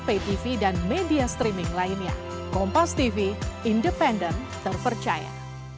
ptv dan media streaming lainnya kompos tv independent terpercaya